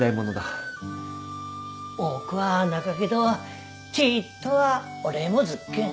多くはなかけどちいっとはお礼もずっけん。